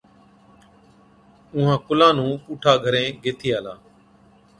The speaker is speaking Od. اُونهان ڪُلان نُون پُوٺا گھرين گيهٿي آلا۔